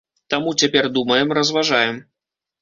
Таму цяпер думаем, разважаем.